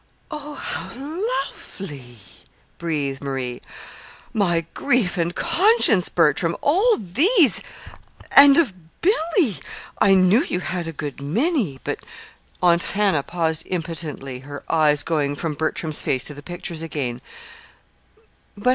"Oh, how lovely!" breathed Marie. "My grief and conscience, Bertram! All these and of Billy? I knew you had a good many, but " Aunt Hannah paused impotently, her eyes going from Bertram's face to the pictures again.